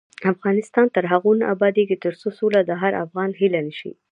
افغانستان تر هغو نه ابادیږي، ترڅو سوله د هر افغان هیله نشي.